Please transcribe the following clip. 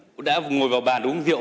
cô đã ngồi vào bàn uống rượu